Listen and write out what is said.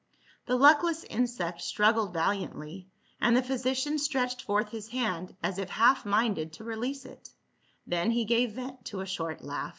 The luckless insect struggled valiantly, and the physician stretched forth his hand as if half minded to release it, then he gave vent to a short laugh.